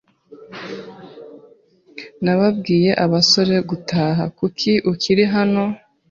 Nababwiye abasore gutaha. Kuki ukiri hano?